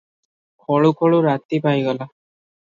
ଖୋଳୁ ଖୋଳୁ ରାତି ପାହିଗଲା ।